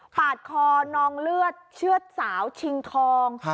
ปาดคอนองเลือดเชื่อดสาวชิงทอง